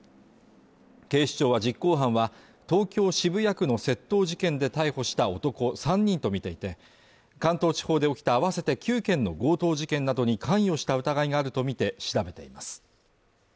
警視庁は実行犯は東京渋谷区の窃盗事件で逮捕した男３人と見ていて関東地方で起きた合わせて９件の強盗事件などに関与した疑いがあるとみて調べています